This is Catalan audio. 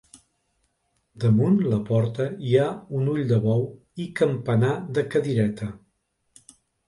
Damunt la porta hi ha un ull de bou i campanar de cadireta.